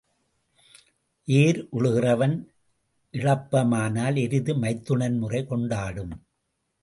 ஏர் உழுகிறவன் இளப்பமானால் எருது மைத்துனன் முறை கொண்டாடும்.